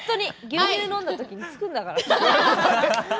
牛乳飲んだときにつくんだから！